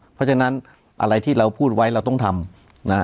เพราะฉะนั้นอะไรที่เราพูดไว้เราต้องทำนะฮะ